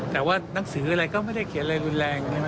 แต่ว่านังสืออะไรก็ไม่ได้เขียนอะไรรุนแรง